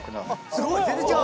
「すごい全然違う！」